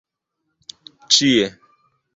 ĉie